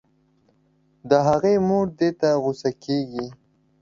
د هغې مور دې ته غو سه کيږي